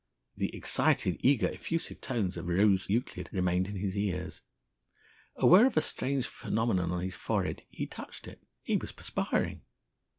The excited, eager, effusive tones of Rose Euclid remained in his ears. Aware of a strange phenomenon on his forehead, he touched it. He was perspiring.